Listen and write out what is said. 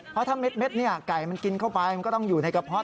เพราะถ้าเม็ดเนี่ยไก่มันกินเข้าไปมันก็ต้องอยู่ในกระเพาะ